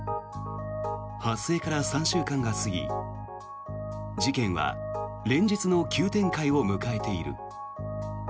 発生から３週間が過ぎ、事件は連日の急展開を迎えている。